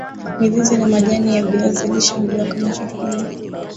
mizizi na majani ya viazi lishe huliwa kama chakula